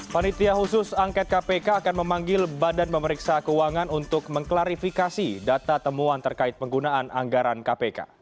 panitia khusus angket kpk akan memanggil badan pemeriksa keuangan untuk mengklarifikasi data temuan terkait penggunaan anggaran kpk